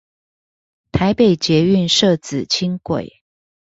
台北捷運社子輕軌